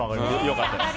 良かったです。